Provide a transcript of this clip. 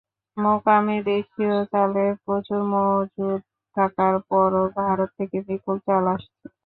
মোকামে দেশীয় চালের প্রচুর মজুত থাকার পরও ভারত থেকে বিপুল চাল আসছে।